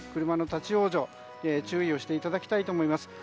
車の立ち往生に注意していただきたいと思います。